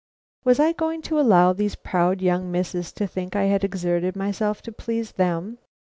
Was I going to allow these proud young misses to think I had exerted myself to please them?